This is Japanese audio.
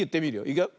いくよ。